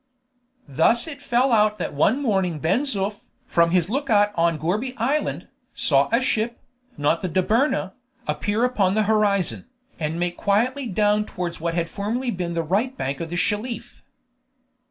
Thus it fell out that one morning Ben Zoof, from his lookout on Gourbi Island, saw a ship, not the Dobryna, appear upon the horizon, and make quietly down towards what had formerly been the right bank of the Shelif.